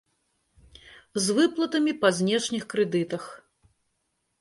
З выплатамі па знешніх крэдытах.